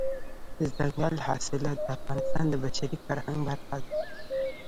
دځنګل حاصلات د افغانستان د بشري فرهنګ برخه ده.